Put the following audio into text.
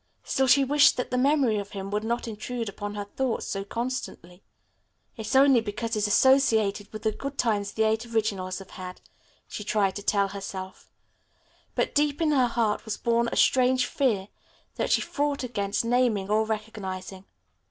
Still she wished that the memory of him would not intrude upon her thoughts so constantly. "It's only because he's associated with the good times the Eight Originals have had," she tried to tell herself, but deep in her heart was born a strange fear that she fought against naming or recognizing.